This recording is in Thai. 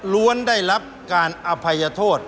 ได้รับการอภัยโทษ